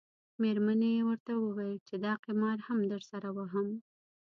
میرمنې یې ورته وویل چې دا قمار هم درسره وهم.